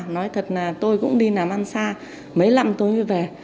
nói thật là tôi cũng đi làm ăn xa mấy năm tôi mới về